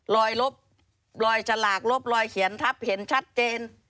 ลบรอยฉลากลบรอยเขียนทับเห็นชัดเจน